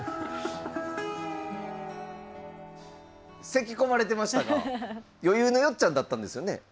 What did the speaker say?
せきこまれてましたが余裕のよっちゃんだったんですよね？